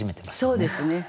そうですね。